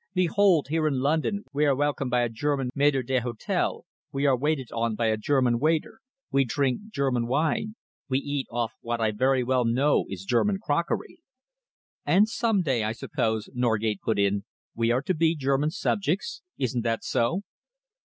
Behold! here in London, we are welcomed by a German maître d'hôtel; we are waited on by a German waiter; we drink German wine; we eat off what I very well know is German crockery." "And some day, I suppose," Norgate put in, "we are to be German subjects. Isn't that so?"